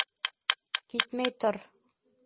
Китмәй тор.